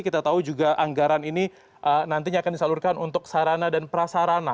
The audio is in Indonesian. kita tahu juga anggaran ini nantinya akan disalurkan untuk sarana dan prasarana